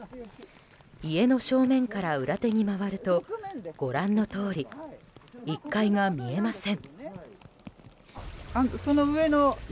家の正面から裏手に回るとご覧のとおり１階が見えません。